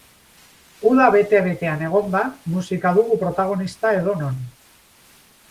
Uda bete-betean egonda, musika dugu protagonista edonon.